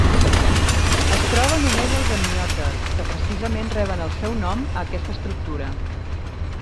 Es troba només als amniotes, que precisament reben el seu nom a aquesta estructura.